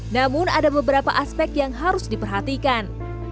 namun ada beberapa aspek yang harus diperhatikan